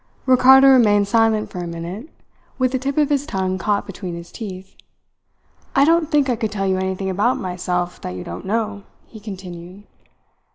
Ricardo remained silent for a minute, with the tip of his tongue caught between his teeth. "I don't think I could tell you anything about myself that you don't know," he continued.